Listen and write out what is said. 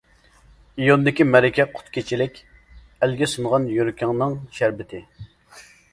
ئىيوندىكى مەرىكە قۇت كېچىلىك، ئەلگە سۇنغان يۈرىكىڭنىڭ شەربىتى.